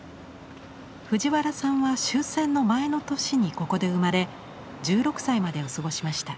藤原さんは終戦の前の年にここで生まれ１６歳までを過ごしました。